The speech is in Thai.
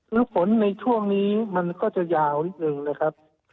แล้วฝนในช่วงนี้มันก็จะยาวนิดนึงนะครับ